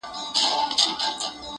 پر لکړه رېږدېدلی!!